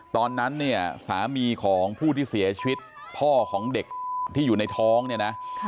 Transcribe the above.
ตอนนั้นเนี่ยสามีของผู้ที่เสียชีวิตพ่อของเด็กที่อยู่ในท้องเนี่ยนะ